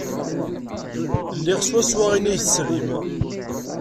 Liɣ swawa ayen ay tesrim.